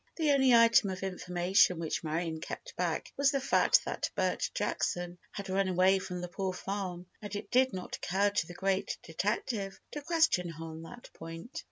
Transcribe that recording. The only item of information which Marion kept back was the fact that Bert Jackson had run away from the Poor Farm, and it did not occur to the great detective to question her on that point.